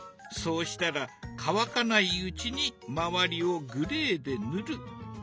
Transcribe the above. そうしたら乾かないうちに周りをグレーで塗る。